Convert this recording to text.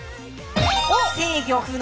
制御不能